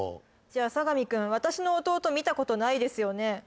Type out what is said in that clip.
じゃあ相模君私の弟見たことないですよね